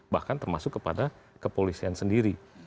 bahkan termasuk kepada kepolisian sendiri